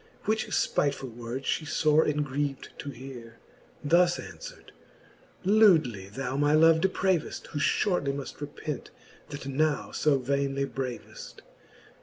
Which fpitefuU words fhe fore engriev'd to heare, Thus anfvverd ; Lewdly thou my love depraveft, Who Ihortly muft repent, that now fo vainely braveft.